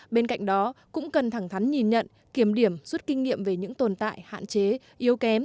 bên cạnh đó cũng cần thẳng thắn nhìn nhận kiểm điểm rút kinh nghiệm về những tồn tại hạn chế yếu kém